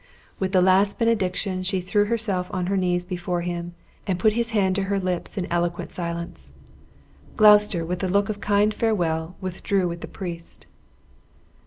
With the last benediction she threw herself on her knees before him, and put his hand to her lips in eloquent silence. Gloucester, with a look of kind farewell, withdrew with the priest.